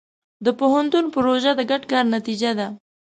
د پوهنتون پروژه د ګډ کار نتیجه ده.